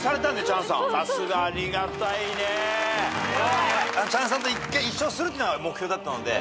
チャンさんと１回１勝するってのが目標だったので。